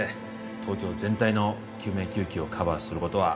東京全体の救命救急をカバーすることは